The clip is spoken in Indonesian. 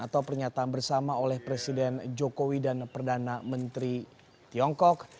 atau pernyataan bersama oleh presiden jokowi dan perdana menteri tiongkok